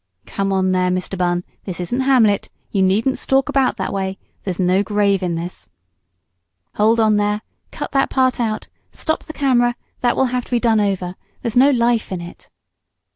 "Come on there Mr. Bunn; this isn't 'Hamlet.' You needn't stalk about that way. There's no grave in this!" "Hold on, there! Cut that part out. Stop the camera; that will have to be done over. There's no life in it!"